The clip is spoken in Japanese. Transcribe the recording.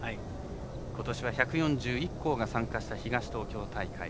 ことしは、１４１校が参加した東東京大会。